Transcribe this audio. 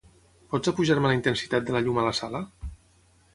Pots apujar-me la intensitat de la llum a la sala?